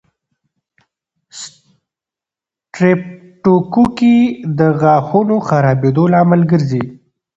سټریپټوکوکي د غاښونو خرابېدو لامل ګرځي.